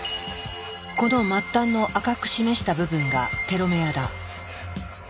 この末端の赤く示した部分がテロメアだ。